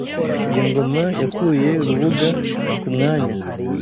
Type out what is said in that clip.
Iyi ngoma yakuye Rubuga ku mwanya